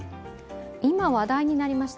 今話題になりました